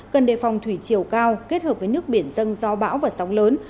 cần đề phòng thủy chiều cao kết hợp với nước biển dâng do bão và sóng lớn